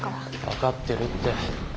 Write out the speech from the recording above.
分かってるって。